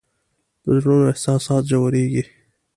د زړونو احساسات ژورېږي